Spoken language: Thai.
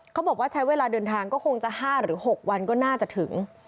เขาบอกว่าใช้เวลาเดินทางก็คงจะ๕หรือ๖วันก็น่าจะถึง